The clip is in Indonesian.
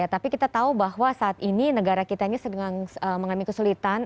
tapi kita tahu bahwa saat ini negara kita ini sedang mengalami kesulitan